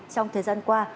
trong thời gian qua